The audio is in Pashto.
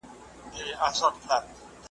که اور وي نو مواد نه خامیږي.